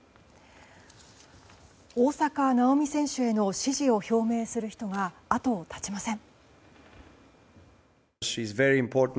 大坂なおみ選手への支持を表明する人が後を絶ちません。